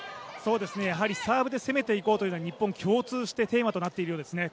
サーブで攻めていこうというのが日本、共通してテーマとなっているようですね。